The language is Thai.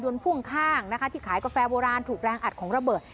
พ่วงข้างนะคะที่ขายกาแฟโบราณถูกแรงอัดของระเบิด